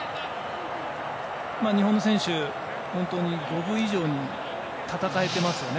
日本選手、本当に五分以上に戦えていますよね